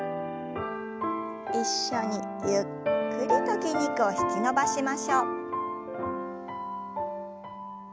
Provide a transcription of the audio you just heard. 一緒にゆっくりと筋肉を引き伸ばしましょう。